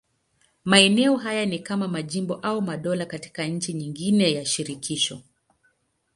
Maeneo haya ni kama majimbo au madola katika nchi nyingine ya shirikisho.